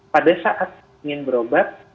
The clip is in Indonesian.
pada saat ingin berobat